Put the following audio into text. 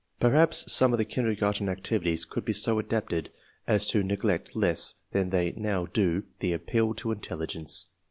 Perhaps some of the kindergarten activities could be so adapted as to neg lect less than they now do the appeal to intelligence.